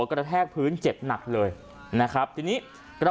ก็แค่มีเรื่องเดียวให้มันพอแค่นี้เถอะ